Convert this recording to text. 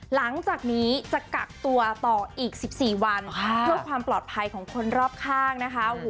หลังจากนี้จะกักตัวต่ออีก๑๔วันเพื่อความปลอดภัยของคนรอบข้างนะคะ